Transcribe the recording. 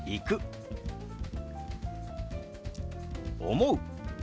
「思う」。